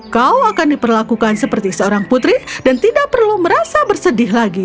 kau akan diperlakukan seperti seorang putri dan tidak perlu merasa bersedih lagi